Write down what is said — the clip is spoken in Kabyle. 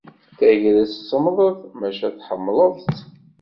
Tagrest semmḍet, maca tḥemmled-tt.